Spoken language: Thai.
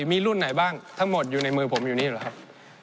มีรุ่นไหนบ้างทั้งหมดอยู่ในมือผมอยู่นี้หรือครับ